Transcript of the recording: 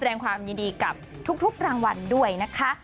แสดงความยินดีกับทุกรางวัลด้วยนะคะ